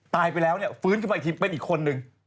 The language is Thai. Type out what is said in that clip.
ตายไปแล้วเนี่ยฟื้นขึ้นมาอีกทีเป็นอีกคนนึง